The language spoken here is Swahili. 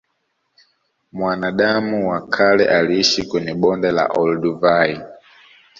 Mwanadamu wa kale aliishi kwenye bonde la olduvai